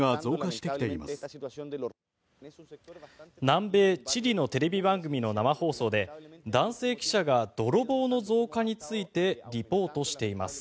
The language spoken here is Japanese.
南米チリのテレビ番組の生放送で男性記者が泥棒の増加についてリポートしています。